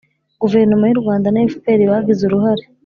guverinoma y'u rwanda na fpr bagize uruhare